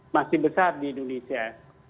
masih besar di indonesia